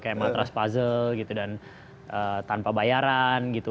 kayak matras puzzle gitu dan tanpa bayaran gitu